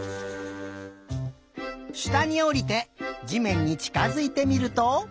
したにおりてじめんにちかづいてみると。